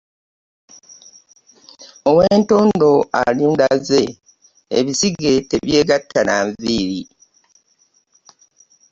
Ow'entondo alunda zie , ebisige tebyegatta n'anviiri .